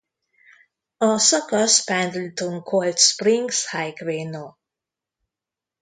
A szakasz Pendleton–Cold Springs Highway No.